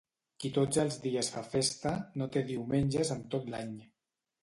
Qui tots els dies fa festa, no té diumenges en tot l'any.